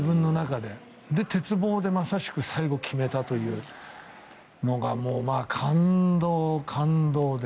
で、鉄棒でまさしく最後決めたというのが感動、感動で。